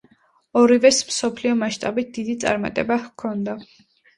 ორივეს მსოფლიო მასშტაბით დიდი წარმატება ჰქონდა.